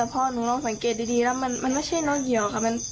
ผู้ใหญ่ค่ะ